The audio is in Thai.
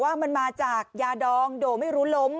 ว่ามันมาจากยาดองโด่ไม่รู้ล้ม